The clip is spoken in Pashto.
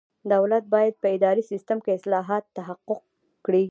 دولت باید په اداري سیسټم کې اصلاحات تحقق کړي.